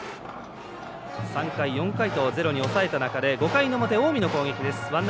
３回、４回とゼロに抑えた中で５回の表、近江の攻撃。